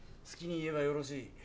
好きに言えばよろしい。